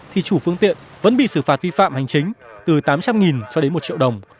thì chủ phương tiện vẫn bị xử phạt vi phạm hành chính từ tám trăm linh cho đến một triệu đồng